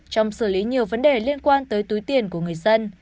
trong xử lý nhiều vấn đề liên quan tới túi tiền của người dân